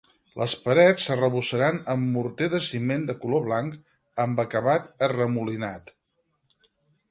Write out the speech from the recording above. Les parets s’arrebossaran amb morter de ciment de color blanc amb acabat arremolinat.